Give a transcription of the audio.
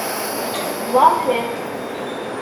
Ẓeṛ kan.